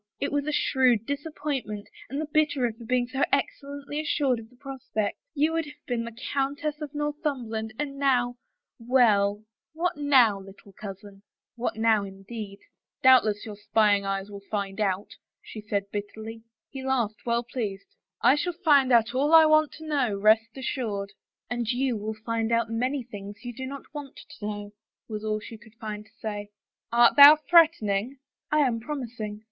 It was a shrewd disappointment, and the bitterer for being so excellently assured of the prospect. You would have been the Countess of Northumberland, and now — well, what now, little cousin ?" What now, indeed ?" Doubtless your spying eyes will find out," she said bitterly. He laughed, well pleased. " I shall find out all I want to know, rest assured." " And you will find out many things you do not want to know," was all she could find to say. "Art thou threatening?" " I am promising.